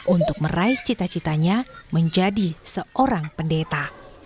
untuk meraih cita citanya menjadi seorang pendeta